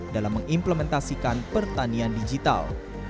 dalam mengimplementasikan pertanian digital